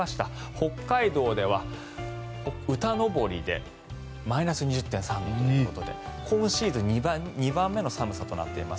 北海道では歌登でマイナス２０．３度ということで今シーズン２番目の寒さとなっています。